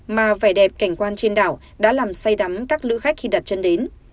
mà vẻ đẹp cảnh quan trên đảo đã làm say đắm các lữ khách khi đặt chân đến